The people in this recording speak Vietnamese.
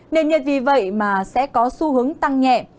nền nhiệt vì vậy mà sẽ có xu hướng tăng nhẹ